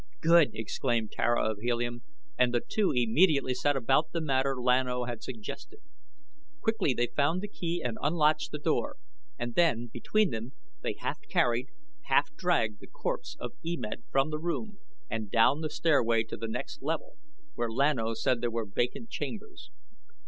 "Good!" exclaimed Tara of Helium, and the two immediately set about the matter Lan O had suggested. Quickly they found the key and unlatched the door and then, between them, they half carried, half dragged, the corpse of E Med from the room and down the stairway to the next level where Lan O said there were vacant chambers.